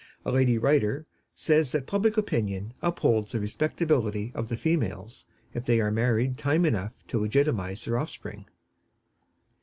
A lady writer says that public opinion upholds the respectability of the females if they are married time enough to legitimatize their offspring.